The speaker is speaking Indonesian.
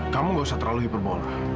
kamu gak usah terlalu hiperbola